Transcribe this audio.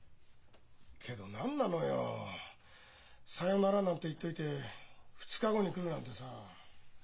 けど何なのよ「さよなら」なんて言っといて２日後に来るなんてさ。